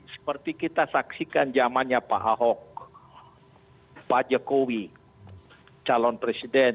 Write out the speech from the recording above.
seperti kita saksikan zamannya pak ahok pak jokowi calon presiden